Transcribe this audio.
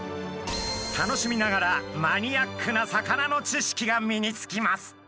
楽しみながらマニアックな魚の知識が身につきます。